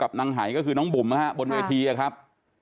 กับนางหายก็คือน้องบุ๋มนะครับบนเวทีนะครับ